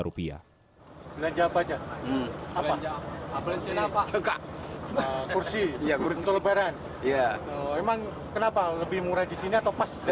lebih murah di sini atau pas datang ke jawa